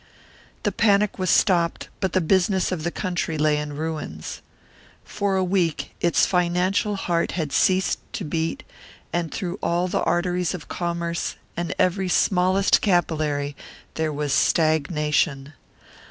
The panic was stopped, but the business of the country lay in ruins. For a week its financial heart had ceased to beat, and through all the arteries of commerce, and every smallest capillary, there was stagnation.